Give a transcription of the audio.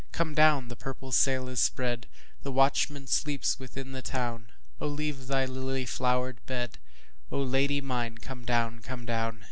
Come down! the purple sail is spread, The watchman sleeps within the town,O leave thy lily flowered bed,O Lady mine come down, come down!